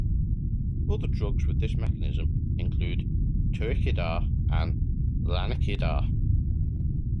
Other drugs with this mechanism include tariquidar and laniquidar.